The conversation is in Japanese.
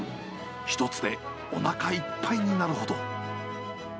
１つでおなかいっぱいになるほど。